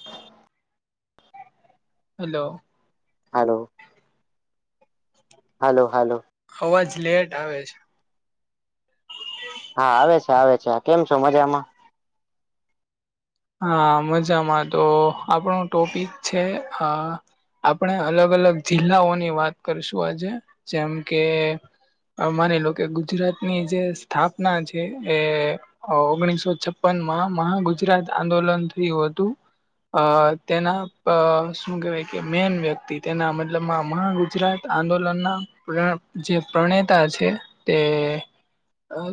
[inaudible] Hello- hello hello hello અવાજ late આવે છે હા આવે છે આવે છે કેમ છો મજામાં હા મજામાં તો આપણો ટોપિક છે અ આપણે અલગ અલગ જિલ્લાઓની વાત કરીશું આજે જેમ કે- માની લો કે ગુજરાતની જે સ્થાપના છે એ- ઓગણીસો છપ્પન માં મહાગુજરાત આંદોલન થયું હતું. અ તેના શું કેહેવાય કે મેન વ્યક્તિ તેના મતલબમાં મહાગુજરાત- આંદોલનના જે પ્રણેતા છે તે-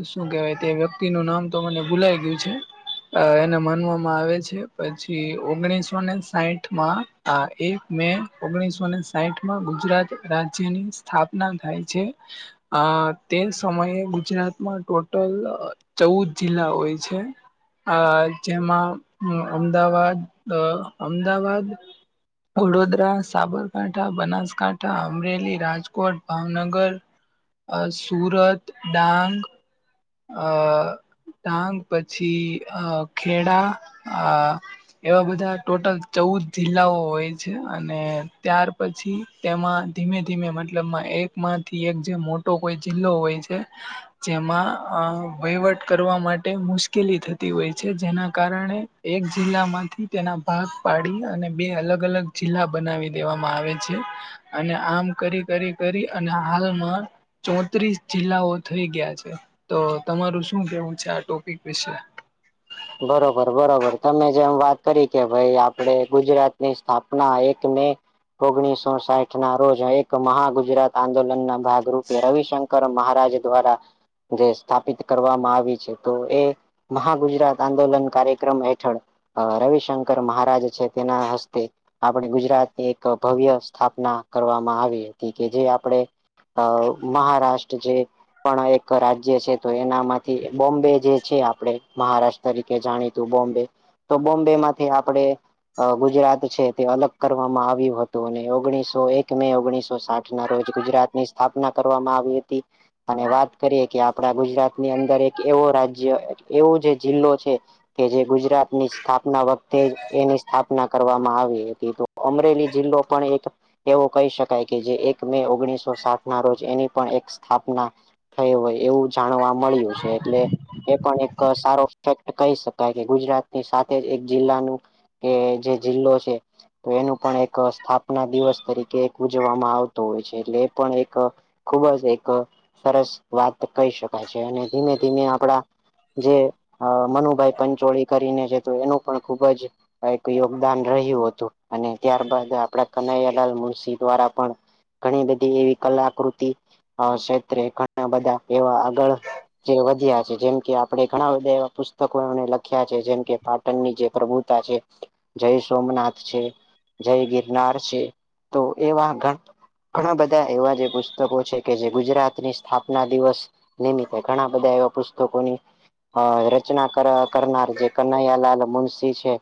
શું કેવાય તે વ્યક્તિ નું નામ તો મને ભૂલાય ગયું છે. એને મ- આવે છે પછી ઓગણીસોને સાઠમાં આ એક મે- ઓગણીસોને સાહીઠ માં ગુજરાત રાજ્યની સ્થાપના થાય છે. અ તે સમયે ગુજરાતમાં ટોટલ ચૌદ જિલ્લા હોય છે. આ જેમાં અમદાવાદ અમદાવાદ- વડોદરા સાબરકાંઠા બનાસકાંઠા અમરેલી રાજકોટ ભાવનગર- સુરત ડાંગ- અ ટાંગ પછી અ ખેડા આ- એવા બધા ટોટલ ચૌદ જિલ્લાઓ હોય છે. અને ત્યાર પછી- તેમાં ધીમે ધીમે મતલબમાં એકમાંથી એક જે મોટો કોઈ જિલ્લો હોય છે. જેમાં વહીવટ કરવા માટે મુશ્કેલી થતી હોય છે જેના કારણે- એક જિલ્લામાંથી તેના ભાગ પાડી અને બે અલગ અલગ જિલ્લા બનાવી દેવામાં આવે છે. અને આમ કરી કરી કરી અને હાલમાં- ચોત્રીસ જિલ્લાઓ થઈ ગયા છે તો તમારું શું કેવું છે આ ટોપિક વિશે- બરોબર બરોબર તમે જેમ વાત કરી કે ભાઈ આપણે ગુજરાતની સ્થાપના એક મે- ઓગણીસો સાઠ ના રોજ એક મહાગુજરાત આંદોલન ના ભાગરૂપે રવિશંકર- મહારાજ દ્વારા જે સ્થાપિત કરવામાં આવી છે તો એ મહાગુજરાત- આંદોલન કાર્યક્રમ હેઠળ રવિશંકર મહારાજ છે તેના હસ્તે- આપણે ગુજરાતની એક ભવ્ય સ્થાપના કરવામાં આવી હતી કે જે આપણે- અ મહારાષ્ટ્ર જે પણ એક રાજ્ય છે તો એના- માંથી બોમ્બે જે છે આપણે મહારાષ્ટ્ર તરીકે જાણી તું બોમ્બે- તો બોમ્બેમાંથી આપડણે- ગુજરાત છે તે અલગ કરવામાં આવ્યું હતું અને ઓગણીસો એક મે ઓગણીસો સાઠ- ના રોજ ગુજરાત ની સ્થાપના કરવામાં આવી હતી- અને વાત કરીએ કે આપડા ગુજરાતની અંદર એક એવો રાજ્ય એવો જે જિલ્લો છે. કે જે ગુજરાત ની સ્થાપના વખતે એની સ્થાપના કરવામાં આવી હતી- અમરેલી જિલ્લો પણ એક- એવું કહી શકાય કે જે એક મે ઓગણીસો સાઠ ના રોજ એની પણ એક સ્થાપના- થય હોય એવું જાણવા મળ્યું છે એટલે એ પણ એક સારો- ફેક્ટ કહી શકાય કે ગુજરાતની સાથે જ એક જિલ્લાનું કે જે જિલ્લો છે. તો એનું પણ એક સ્થાપ- ના દિવસ તરીકે એક ઉજવામાં આવતો હોય છે એટલે એ પણ એક ખુબ જ એક- સરસ વાત કહી શકાય છે અને ધીમે ધીમે આપડા જે- અ મનુભાઈ પંચોળી કરીને છે તો એનું પણ ખુબ જ- એક યોગદાન રહ્યું હતું અને ત્યારબાદ આપડા કનૈયાલાલ મુનશી દ્વારા પણ- ઘણી બધી એવી કલાકૃતિ ક્ષેત્રે ઘણા બધા એવા આગળ- જે વધ્યા છે. જેમ કે આપડે ઘણા- એવા પુસ્તકોને લખ્યા છે જેમ કે પાટણ ની જે પ્રભુતા છે. જય સોમનાથ છે જય ગિરનાર છે તો એવા ઘ- ઘણા બધા એવા જે પુસ્તકો છે કે જે ગુજરાતની સ્થાપના દિવસ- નિમિત્તે ઘણા બધા એવા પુસ્તકોની- અ રચના કર કરનાર જે કનહૈયાલાલ મુનશી છે.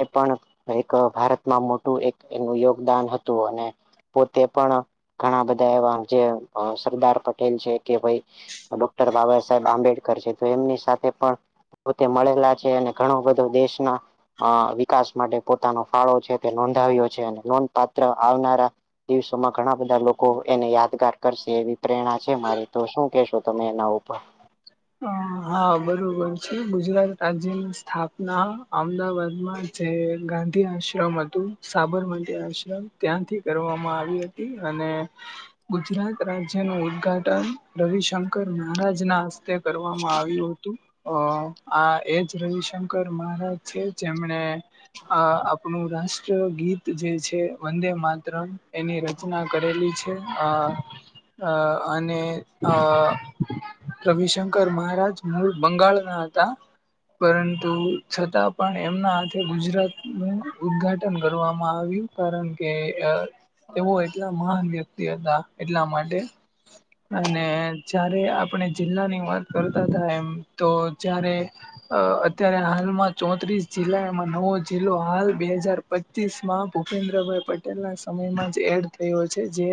એ પણ એક ભારતમાં મોટું એક એમનું યોગદાન હતું, અને પોતે પણ ઘણા બધા એવા જે અહ સરદાર પટેલ છે, કે ભઈ ડોક્ટર બાબા સાહેબ આંબેડકર છે તો એમની સાથ થે પણ પોતે મળેલા છે, અને ઘણો બધો દેશના અહ વિકાસ માટે પોતાનો ફાળો છે તે નોંધાવ્યો છે, અને નોંધપાત્ર આવનારા દિવસોમાં ઘણા બધા લોકો એને યાદગાર કરશે એવી પ્રેરણા છે મારી. તો શું કેહેશો તમે એના ઉપર? અહ હા બરોબર છે. ગુજરાત રાજ્યની સ્થાપના અમદાવાદમાં જે ગાંધી આશ્રમ હતું સાબરમતી આશ્રમ, ત્યાંથી કરવામાં આવી હત તી, અને ગુજરાત રાજ્ય નું ઉદઘાટન રવિશંકર મહારાજ ના હસ્તે કરવામાં આવ્યું હતું. અહ આ એજ રવિશંકર મહારાજ છે જેમણે આ આપણું રાષ્ટ્ર ગીત જે છે વંદે માતરમ એની રચના કરેલી છે. અહ અહ અને અહ રવિશંક શંકર મહારાજ મૂળ બંગાળના હતા. પરંતુ છતાં પણ એમના હાથે ગુજરાત નું ઉદ્ઘાટન કરવામાં આવ્યું. કારણ કે એ એવો એટલા મહાન વ્યક્તિ હતા એટલા માટે. અને જ યારે આપણે જિલ્લાની વાત કરતા હતા એમ તો જ્યારે અહ અત્યારે હાલમાં ચોત્રીસ જિલ્લા, એમાં નવો જિલ્લો હાલ બે હજાર પચીસ માં ભૂપેન્દ્રભાઈ પટેલ ના સમયમાં જ એડ થયો છે, જે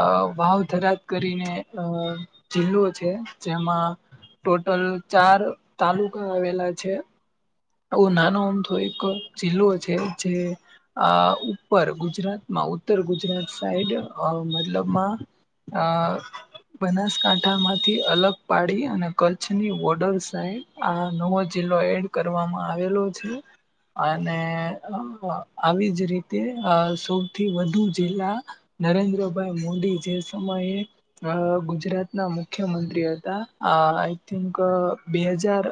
અહ વાવધરાત કરીને અહ જિલ્લો છે, જેમાં ટોટલ ચાર તાલુકા આવેલા છે. આવું નાનો અમથો એક જિલ્લો છે જે આ ઉપર ગુજરાતમાં, ઉત્તર ગુજરાત સાઈડ અહ મતલબમાં અહ બનાસકાંઠા માંથી અલગ પાડી, અને કચ્છની બોર્ડર સાઈડ આ નવો જિલ્લો એડ કરવામાં આવેલો છે. અને આવી જ રીતે અહ સૌથી વધુ જિલ્લા નરેન્દ્રભાઈ મોદી જે સમયે અહ ગુજરાત ના મુખ્યમંત્રી હતા, અહ આઈ થિંક બે હજાર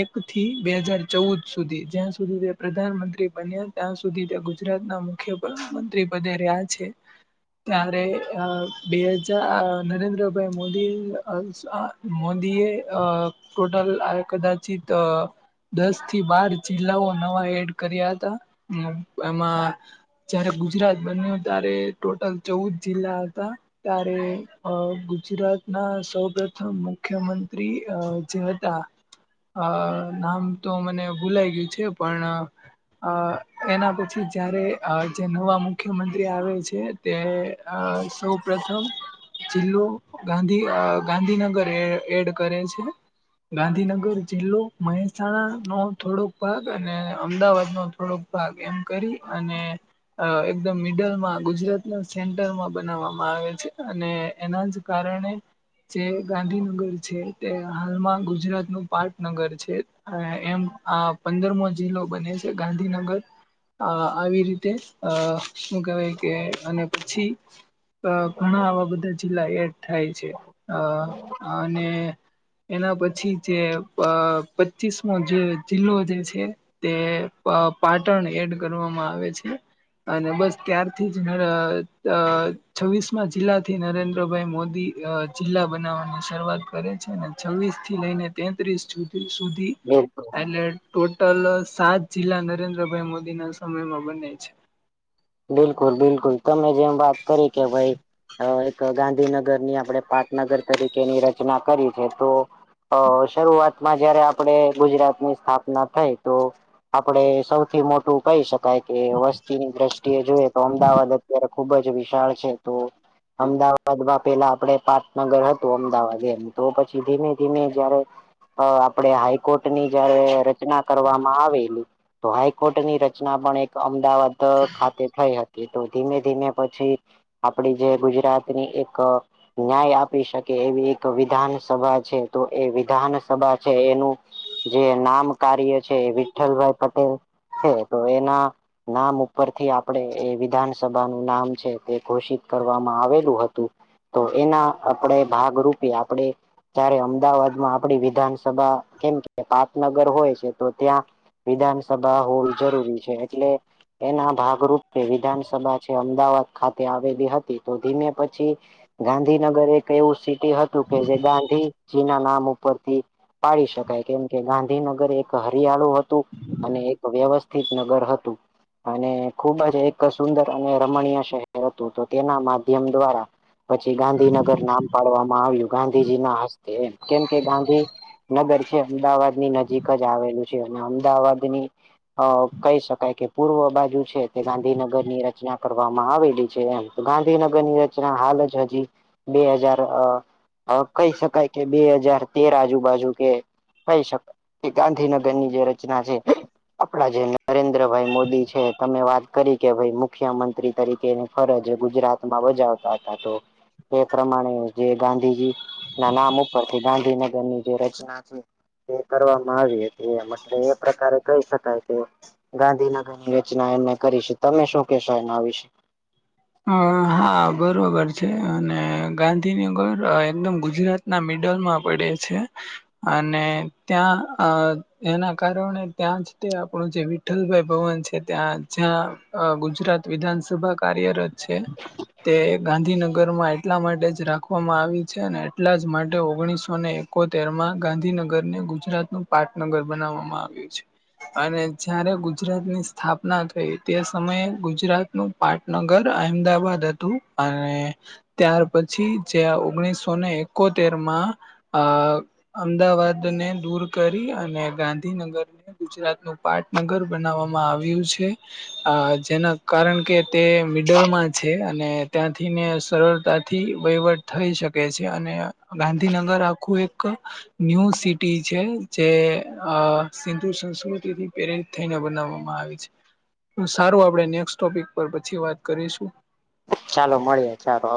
એક થી બે હજાર ચૌદ સુધી, જ્યાં સુધી તે પ્રધાનમંત્રી બન્યા ત્યાં સુધી તે ગુજરાતના મુખ્ય પ્રધાનમંત્રી પદે રહ્યા છે ત્યારે અહ બે હજા આ નરેન્દ્રભાઈ મોદી [unintelligible] મોદીએ અહ ટોટલ આ કદાચિત અહ દસ થી બાર જિલ્લાઓ નવા એડ કર્યા હતા. એમાં જયારે ગુજરાત બન્યું ત્યારે ટોટલ ચૌદ જિલ્લા હતા. ત્યારે અહ ગુજરાત ના સૌ પ્રથમ મુખ્યમંત્રી અહ જે હ તા, અહ નામ તો મને ભૂલાય ગયું છે પણ અહ એના પછી જયારે આ જે નવા મુખ્યમંત્રી આવેલ છે તે અહ સૌ પ્રથમ જિલ્લો ગાંધી અહ ગાંધીનગર એ એડ કરે છે. ગાંધીનગર જિલ્લો મહેસ સાણા નો થોડોક ભાગ અને અમદાવાદ નો થોડોક ભાગ એમ કરી, અને અ એકદમ મિડલમાં ગુજરાતના સેન્ટરમાં બનાવવામાં આવે છે અને એના જ કારણ જે ગાંધીનગર છે તે હાલમાં ગુજરાત નું પાટનગર છે. અહ એમ આ પંદરમો જિલ્લો બને છે ગાંધીનગર અહ આ આવી રીતે, અહ હું કેવાય કે, અને પછી અહ ઘણા આવા બધા જિલ્લા એડ થાય છે. અહ અને એના પછી જે પચીસ મોો જે જિલ્લો જે છે તે પાટણ એડ કરવામાં આવે છે અને બસ ત્યારથી જ છવ્વીસમાં જિલ્લા થી નરેન્દ્રભાઈ મોદી જિલ્લા બનાવવાની શરૂઆત કરે છે છવ્વીસ થી લઈને તેત્રીસ સુધી સુધી એલર્ટ ટોટલ સાત જિલ્લા નરેન્દ્રભાઈ મોદી ના સમયમાં બને છે બિલકુલ બિલકુલ તમે જેમ વાત કરી કે ભાઈ અ એક ગાંધીનગરની આપણે પાટનગર તરીકેની રચના કરી છે તો અ શરૂઆતમાં જયારે આપણે ગુજરાતની સ્થાપના થઈ તો આપડે સૌથી મોટું કહી શકાય કે વસ્તીની દ્રષ્ટિએ જોઈએ તો અમદાવાદ અત્યારે ખુબ જ વિશાળ છે તો અમદાવાદમાં પેલા આપડે પાટનગર હતું અમદાવાદ એમ તો પછી ધીમે ધીમે જયારે અ આપણેે હાઈ હકોર્ટ ની જયારે રચના કરવામાં આવેલી તો હાઈકોર્ટ ની રચના પણ એક અમદાવાદ તો ખા તો ધીમે ધીમે પછી આપડી જે ગુજરાતની એક ન્યાય આપી શકે એવી એક વિધાન સભા છે તો એ વિધાન સભા છે એનું જે નામ કાર્ય છે વિઠ્ઠલભાઈ પટેલ છે તો એના નામ ઉપર થી આપ આપણે એ વિધાન સભાનુંું નામ છે તે ઘોષિત કરવામાં આવેલું હતું તો એના આપણે ભાગરૂપે આપણે તયારે અમદાવાદમાં આપડી વિધાનસભા કેમ કે પાપનગર હોય છે તો ત્યાં વિધાનસભા હોલ જરૂરી છે એટલે એના ભાગરૂપ કે વિધાનસભા છે અમદાવાદ ખાતે આવેલી હતી તો ધીમે પછી ગાંધીનગર એક એવું સી હતું કે જે ગાંધીજી ના નામ ઉપરથી પાડી શકાય કેમ કે ગાંધીનગર એક હરિયાળુ હતું અને એક વ્યવસ્થિત નગર હતું અને ખુબ જ જે એક સુંદર અને રમણીય શહેર હતું તો તેના માધ્યમ દ્વારા પછી ગાંધીનગર નામ પાડવામાં આવ્યું ગાંધીજી ના હસ્તે કેમ કે ગાંધી નગર છે અમદાવાદ ની નજીક જ આવેલું છે અને અમદાવાદની અ કહી શકાય કે પૂર્વ બાજુ છે ગાંધીનગરની ર રચના કરવામાં આવેલી છે એમ ગાંધીનગર ની રચના હાલ જ હજી બે હજાર કહી શકાય કે બે હજાર તેર આજુ બાાજુ કે કહી શક એ ગાંધીનગરની જે રચના છે આપડા જે નરેન્દ્રભાઈ મોદી છે તમે વાત કરી કે ભાઈ મુખ્ય મંત્રી તરીકેની ફરજ ગુજરાતમાં બજાવતા હતા તો તે પ્રમાણે જે ગાંધીજી ના નામ ઉપર થી ગાંધીનગર ની જે રચના એ કરવામાં આવી હતી એમ એટલે એ પ્રકારે કહી શકાય કે ગાંધીનગરની રચના એમને કરી છે તમે શું કેશો એના વિશે અ હા બરોબર છે અને ગાંધીનગર એકદમ ગુજરાત ના મિડલ માં પડે છે અને ત્યાં અ એના કારણે ત્યાં જ તે આપણું જે અલભાઈ ભવન છે ત્યાં જ્યાં ગુજરાત વિધાનસભા કાર્યરત છે. તે ગાંધીનગરમાં એટલા માટે જ રાખવામાં આવી છે અને એટલા જ માટે ઓગણીસોને એકોતેર માં ગાંધીનગરને ગુજરાત નું પાટનગર બનાવવામાં આવ્યું છે. અને જારે ગ ગુજરાતની સ્થાપના થઈ તે સમયે ગુજરાતનું પાટનગર અહમદાબાદ હતું અને ત્યાર પછી જ્યા ઓગણીસો ને એકોતેર માં અ અમદાવાદ ને દૂર કરી, અને ગાંધીનગરને ગુજરાત નું પાટનગર બનાવવામાં આવ્યું છે, અ જેના કારણ કે તે મિડલમાં છે, અને ત્યાંથીને સરળતાથી વહીવટ થઈ શકે છે, અને ગાંધીનગર આખું એક ન્યૂ સિટી છે જે અ સિંધુ સંસ્કૃતિથી પેરે થઈને બનાવવામાં આવી છે, સારું આપણે નેક્સટોપિક પર પછી વાત કરીશું. ચાલો મળીએ ચારો